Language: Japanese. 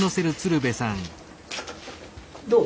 どう？